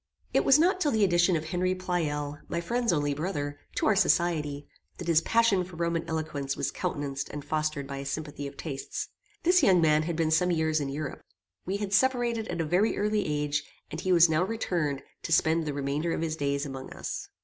It was not till the addition of Henry Pleyel, my friend's only brother, to our society, that his passion for Roman eloquence was countenanced and fostered by a sympathy of tastes. This young man had been some years in Europe. We had separated at a very early age, and he was now returned to spend the remainder of his days among us.